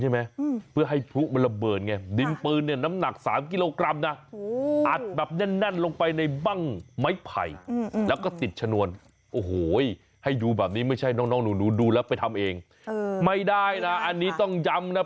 เมื่อกี้คือกาวครับเป็นกาวที่ทำมาจากข้าวเหนียวครับ